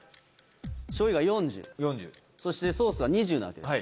しょうゆが４０そしてソースが２０なわけですよ。